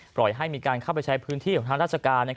ปล่อยให้มีการเข้าไปใช้พื้นที่ของทางราชการ